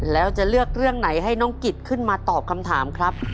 แล้วจะเลือกเรื่องไหนให้น้องกิจขึ้นมาตอบคำถามครับ